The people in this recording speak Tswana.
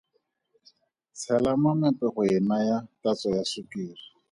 Tshela mamepe go e naya tatso ya sukiri.